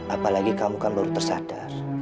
apalagi kamu kan baru tersadar